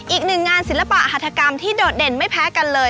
อีกหนึ่งงานศิลปะหัฐกรรมที่โดดเด่นไม่แพ้กันเลย